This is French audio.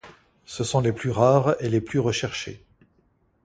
Ce sont les plus rares et les plus recherchées.